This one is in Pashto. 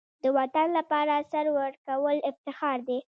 د وطن لپاره سر ورکول افتخار دی.